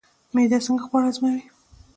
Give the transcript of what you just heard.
معده څنګه خواړه هضموي؟